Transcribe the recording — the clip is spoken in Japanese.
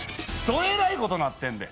どえらいことなってんで！